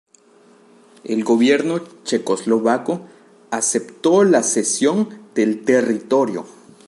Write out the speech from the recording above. El gobierno checoslovaco aceptó la cesión del territorio.